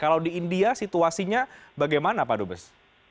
kalau di india situasinya bagaimana pak dubes